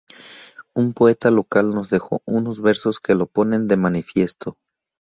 Un poeta local nos dejó unos versos que lo ponen de manifiesto.